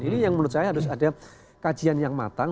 ini yang menurut saya harus ada kajian yang matang